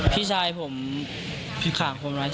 พี่ชายผมขากผมเลย